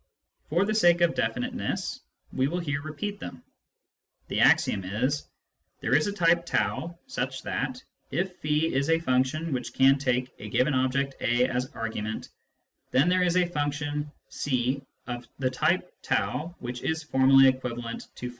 For the sake of definiteness, we will here repeat them. The axiom is : There is a type r such that if </> is a function which can take a given object a as argument, then there is a function \}i of the type r which is formally equivalent to cf>.